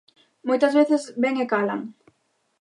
Moitas veces ven e calan.